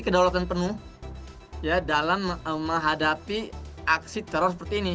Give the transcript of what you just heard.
kedaulatan penuh dalam menghadapi aksi teror seperti ini